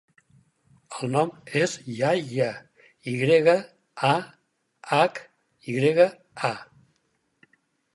El nom és Yahya: i grega, a, hac, i grega, a.